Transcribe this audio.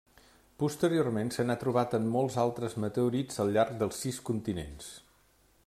Posteriorment se n'ha trobat en molts altres meteorits al llarg dels sis continents.